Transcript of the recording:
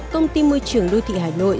công ty môi trường đô thị hà nội